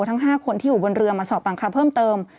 ทั้ง๕คนที่อยู่บนเรือมาสอบปากคำเพิ่มเติม